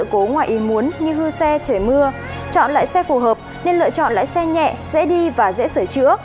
sử dụng này muốn như hư xe trời mưa chọn lại xe phù hợp nên lựa chọn lại xe nhẹ dễ đi và dễ sửa chữa